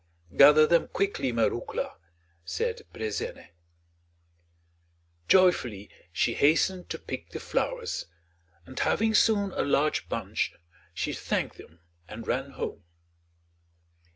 "Gather them quickly, Marouckla," said Brezène. Joyfully she hastened to pick the flowers, and having soon a large bunch she thanked them and ran home.